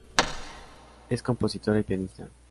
Es compositora y pianista.